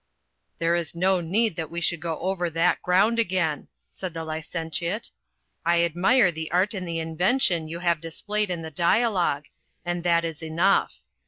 "There is no need that we should go over that ground again," said the licentiate. "I admire the art and the invention you have displayed in the dialogue, and that is enough.